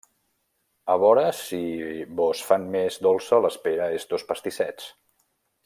A vore si vos fan més dolça l’espera estos pastissets.